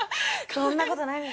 そんなことないです。